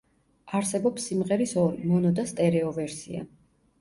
არსებობს სიმღერის ორი, მონო და სტერეო ვერსია.